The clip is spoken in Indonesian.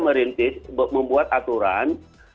merintis membuat aturan